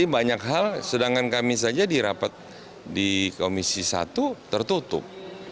banyak hal sedangkan kami saja di rapat di komisi satu tertutup